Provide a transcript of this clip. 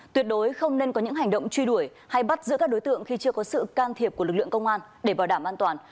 tuyệt đối không nên có những hành động truy đuổi hay bắt giữa các đối tượng khi chưa có sự can thiệp của lực lượng công an để bảo đảm an toàn